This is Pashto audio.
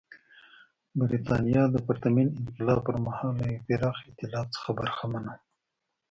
برېټانیا د پرتمین انقلاب پر مهال له یوه پراخ اېتلاف څخه برخمنه وه.